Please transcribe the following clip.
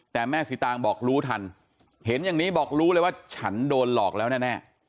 แต่แม่สีตางบอกรู้ทันเห็นอย่างนี้บอกรู้เลยว่าฉันโดนหลอกแล้วแน่